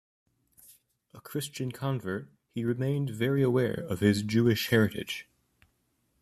A Christian convert, he remained very aware of his Jewish heritage.